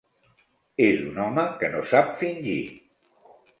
És un home que no sap fingir.